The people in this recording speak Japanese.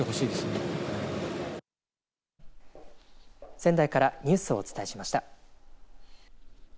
仙台からニュースをお伝えしました。